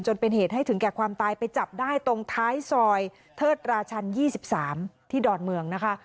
จนเป็นเหตุให้ถึงแก่ความตายไปจับได้ตรงท้ายซอยเทิดราชัน๒๓ที่ดอนเมืองนะคะ